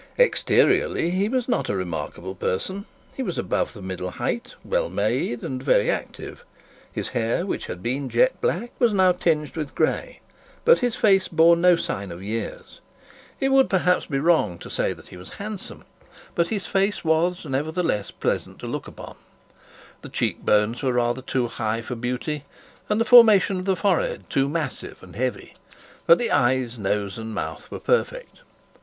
Exteriorly, he was not a remarkable person. He was above the middle height, well made, and very active. His hair which had been jet black, was now tinged with gray, but his face bore no sign of years. It would perhaps be wrong to say that he was handsome, but his face was, nevertheless, high for beauty, and the formation of the forehead too massive and heavy: but his eyes, nose and mouth were perfect.